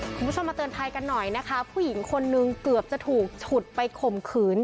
คุณผู้ชมมาเตือนภัยกันหน่อยนะคะผู้หญิงคนนึงเกือบจะถูกฉุดไปข่มขืน